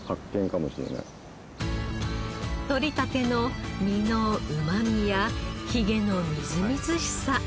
とりたての実のうまみやヒゲのみずみずしさ。